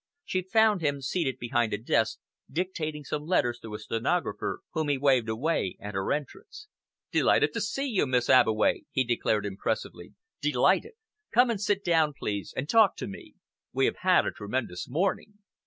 She found him seated behind a desk, dictating some letters to a stenographer, whom he waved away at her entrance. "Delighted to see you, Miss Abbeway," he declared impressively, "delighted! Come and sit down, please, and talk to me. We have had a tremendous morning.